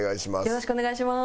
よろしくお願いします。